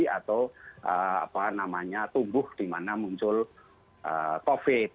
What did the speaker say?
atau apa namanya tubuh di mana muncul covid